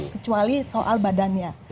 kecuali soal badannya